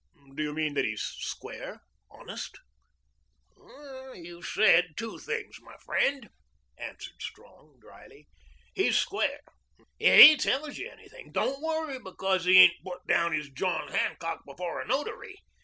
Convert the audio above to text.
"Do you mean that he's square honest?" "You've said two things, my friend," answered Strong dryly. "He's square. If he tells you anything, don't worry because he ain't put down his John Hancock before a notary.